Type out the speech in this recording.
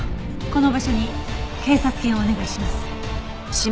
この場所に警察犬をお願いします。